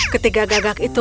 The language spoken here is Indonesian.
ketiga gagak itu